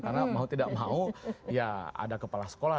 karena mau tidak mau ya ada kepala sekolah